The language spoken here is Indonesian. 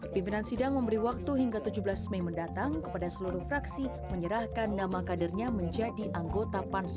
pimpinan sidang memberi waktu hingga tujuh belas mei mendatang kepada seluruh fraksi menyerahkan nama kadernya menjadi anggota pansus